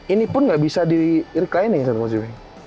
ini pun gak bisa di recline nih